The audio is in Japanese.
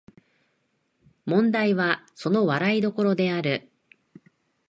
問題はその笑い所である